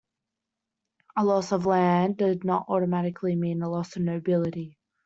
A loss of land did not automatically mean loss of nobility.